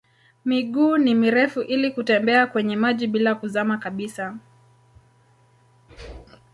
Miguu ni mirefu ili kutembea kwenye maji bila kuzama kabisa.